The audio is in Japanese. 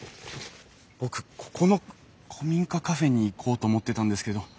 僕ここの古民家カフェに行こうと思ってたんですけど。